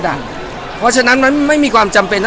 เพราะฉะนั้นมันไม่มีความจำเป็นนะ